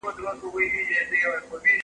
زه سبزیجات نه وچوم!.